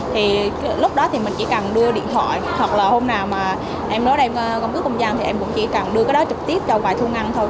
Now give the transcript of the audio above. thì lúc đó thì mình chỉ cần đưa điện thoại hoặc là hôm nào mà em nói đem căn cứ công dân thì em cũng chỉ cần đưa cái đó trực tiếp cho vài thu ngăn thôi